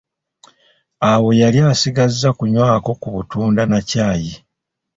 Awo yali asigazza kunywako ku butunda na caayi.